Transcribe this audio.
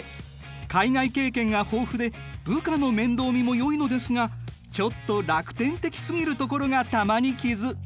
海外経験が豊富で部下の面倒見もよいのですがちょっと楽天的すぎるところが玉にきず。